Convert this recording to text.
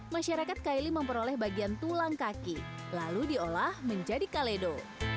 masyarakat kaili memperoleh bagian tulang kaki lalu diolah menjadi kaledo